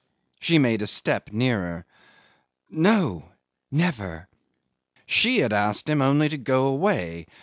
'She made a step nearer. "No. Never!" She had asked him only to go away.